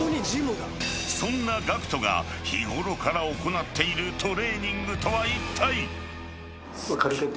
［そんなＧＡＣＫＴが日頃から行っているトレーニングとはいったい？］